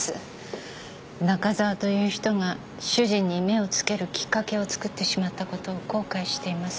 中沢という人が主人に目を付けるきっかけを作ってしまった事を後悔しています。